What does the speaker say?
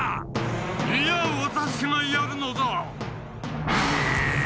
いやワタシがやるのだ！